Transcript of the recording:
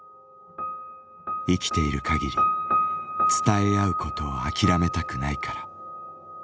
生きている限り伝え合うことを諦めたくないから」。